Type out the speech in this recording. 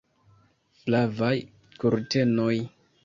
Flavaj kurtenoj!